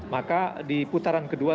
maka di putaran kedua